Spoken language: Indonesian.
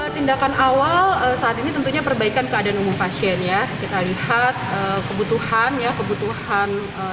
tindakan awal saat ini tentunya perbaikan keadaan umum pasien ya kita lihat kebutuhan ya kebutuhan